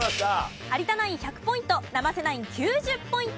有田ナイン１００ポイント生瀬ナイン９０ポイント。